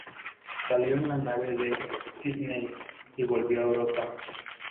Salió de la nave en Sydney y volvió a Europa.